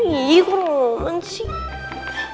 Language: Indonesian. iya kok roman sih